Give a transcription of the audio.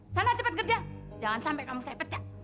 sana cepet kerja jangan sampe kamu saya pecah